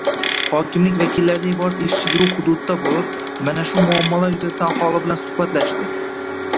Hokimlik vakillaridan iborat ishchi guruh hududda boʻlib, mana shu muammolar yuzasidan aholi bilan suhbatlashdi.